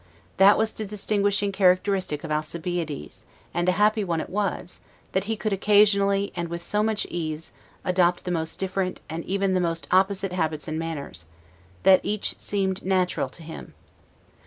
That was the distinguishing characteristic of Alcibiades, and a happy one it was, that he could occasionally, and with so much ease, adopt the most different, and even the most opposite habits and manners, that each seemed natural to him.